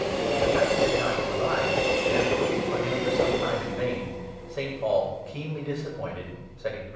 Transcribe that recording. But Titus had not yet arrived, and, after waiting for him for some time in vain, St. Paul, keenly disappointed (2 Cor.